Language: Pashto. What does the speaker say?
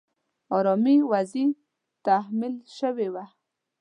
آرامي وضعې تحمیل شوې وه.